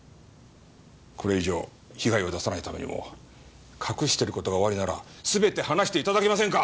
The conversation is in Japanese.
これ以上被害を出さないためにも隠してる事がおありなら全て話して頂けませんか？